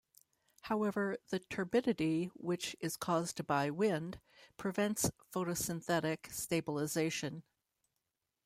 However, the turbidity, which is caused by wind, prevents photosynthetic stabilisation.